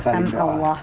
serahkan ke allah